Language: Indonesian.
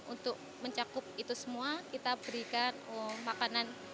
untuk mencakup itu semua kita berikan makanan